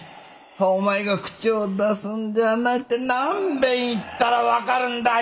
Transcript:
お前が口を出すんじゃないって何べん言ったら分かるんだい！